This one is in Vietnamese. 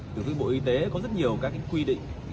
từ phía bộ y tế có rất nhiều các quy định